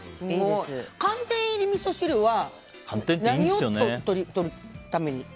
寒天入りみそ汁は何をとるために？